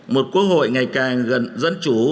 một quốc hội ngày càng gần dân chủ